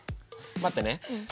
待ってね。